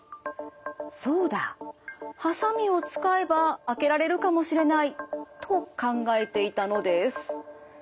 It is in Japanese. そうだハサミを使えば開けられるかもしれないと考えていたのです。